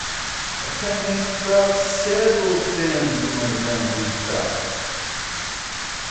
A plant may sprout several stems from the underground rootstock.